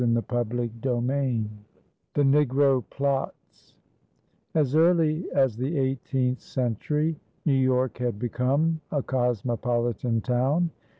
CHAPTER XIII THE NEGRO PLOTS As early as the eighteenth century New York had become a cosmopolitan town.